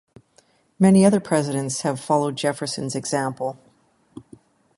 Many other presidents have followed Jefferson's example.